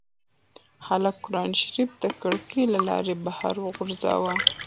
هلک قرانشریف د کړکۍ له لارې بهر وغورځاوه.